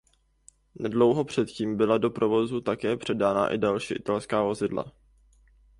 Nedlouho předtím byla do provozu také předána i další italská vozidla.